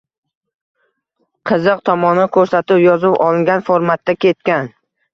Qiziq tomoni, ko‘rsatuv yozib olingan formatda ketgan